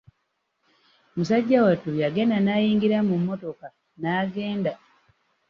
Musajja wattu yagenda n'ayingira mu mmotoka n'agenda.